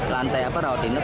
lantai apa rawat inap